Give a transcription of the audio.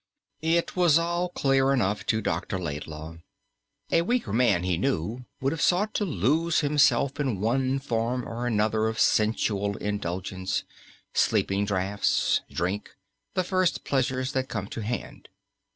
It was all clear enough to Dr. Laidlaw. A weaker man, he knew, would have sought to lose himself in one form or another of sensual indulgence sleeping draughts, drink, the first pleasures that came to hand.